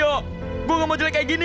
aku tidak mau jelek seperti ini